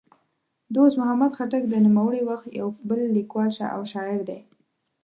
دوست محمد خټک د نوموړي وخت یو بل لیکوال او شاعر دی.